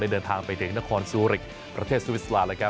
ได้เดินทางไปเทศนครซูอิกประเทศซุวิสลานด์